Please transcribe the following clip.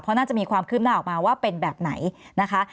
เพราะน่าจะมีความคืบหน้าออกมาว่าเป็นแบบไหนนะคะ